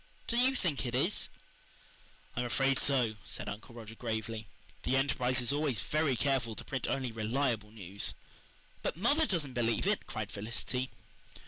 Do YOU think it is?" "I'm afraid so," said Uncle Roger gravely. "The Enterprise is always very careful to print only reliable news." "But mother doesn't believe it," cried Felicity.